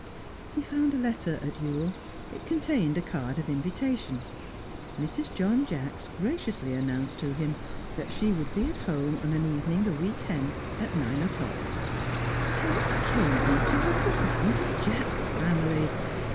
He found a letter at Ewell. It contained a card of invitation; Mrs. John Jacks graciously announced to him that she would be at home on an evening a week hence, at nine o'clock. How came he to have forgotten the Jacks family?